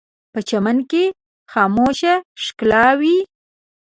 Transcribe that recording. په چمن کې خاموشه ښکلا وي